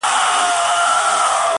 بيا دي توري سترگي زما پر لوري نه کړې.